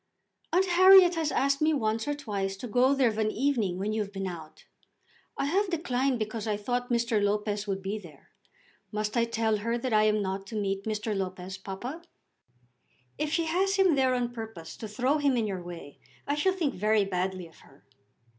"Aunt Harriet has asked me once or twice to go there of an evening, when you have been out. I have declined because I thought Mr. Lopez would be there. Must I tell her that I am not to meet Mr. Lopez, papa?" "If she has him there on purpose to throw him in your way, I shall think very badly of her."